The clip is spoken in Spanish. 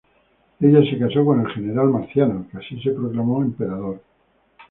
Ella se casó con el general Marciano, que así se proclamó emperador.